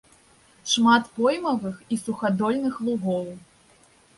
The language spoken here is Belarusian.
Шмат поймавых і сухадольных лугоў.